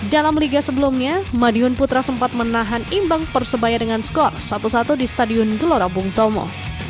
dalam liga sebelumnya madiun putra sempat menahan imbang persebaya dengan skor satu satu di stadion gelora bung tomo